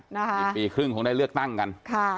อีกปีครึ่งคงได้เลือกตั้งกัน